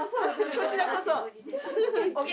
こちらこそ。